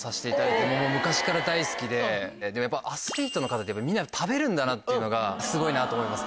やっぱアスリートの方みんな食べるんだなっていうのがすごいなと思いますね。